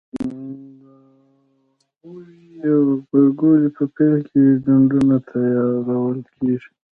د غويي او غبرګولي په پیل کې ډنډونه تیارول کېږي.